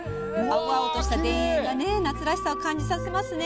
青々とした田園が夏らしさを感じさせますね。